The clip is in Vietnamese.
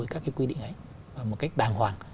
các cái quy định ấy một cách đàng hoàng